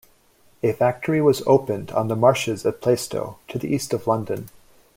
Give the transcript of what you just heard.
A factory was opened on the marshes at Plaistow, to the east of London.